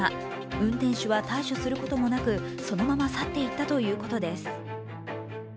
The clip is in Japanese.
運転手は対処することもなくそのまま去って行ったということです。